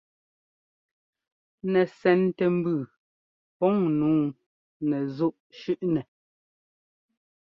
Nɛsɛntɛmbʉʉ pɔŋ nǔu nɛzúꞌ shʉ́ꞌnɛ.